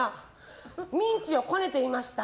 ミンチをこねていました。